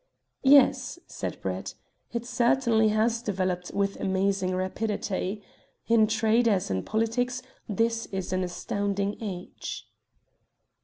"Yes," said Brett, "it certainly has developed with amazing rapidity. In trade, as in politics, this is an astounding age."